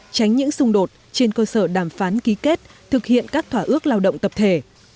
tránh những xung đột trên cơ sở đàm phán ký kết thực hiện các thỏa ước lao động tập thể